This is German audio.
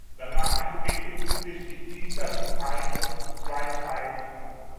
Danach entwickelten sich die tieferen Teile zu zwei Teichen.